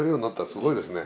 すごいですね。